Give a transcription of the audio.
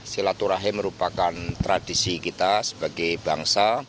silaturahim merupakan tradisi kita sebagai bangsa